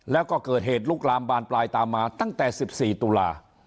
แล้วก็เกิดเหตุลุกลามบานปลายตามมาตั้งแต่๑๔ตุลา